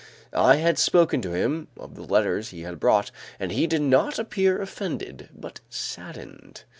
I had spoken to him of the letters he had brought, and he did not appear offended, but saddened.